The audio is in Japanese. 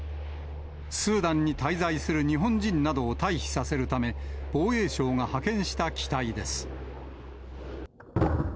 スーダンに滞在する日本人などを退避させるため、防衛省が派遣した機体です。